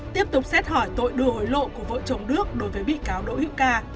tiếp tục xét hỏi tội đưa hối lộ của vợ chồng đức đối với bị cáo đỗ hữu ca